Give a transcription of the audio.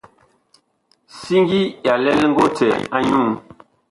Siŋgi ya lɛl ngotɛ a nyuú.